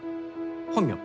本名。